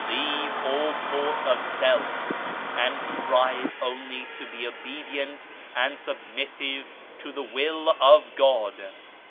Leave all thought of self, and strive only to be obedient and submissive to the Will of God.